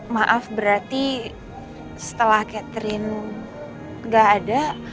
maaf berarti setelah catherine gak ada